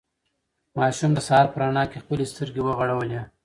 ماشوم د سهار په رڼا کې خپلې سترګې وغړولې.